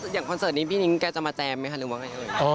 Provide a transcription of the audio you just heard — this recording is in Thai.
คอนเสิร์ตนี้พี่นิ้งแกจะมาแจมไหมคะหรือว่าไง